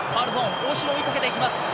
大城、追いかけていきます。